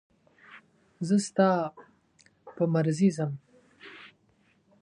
زه ستا په مرضي ځم.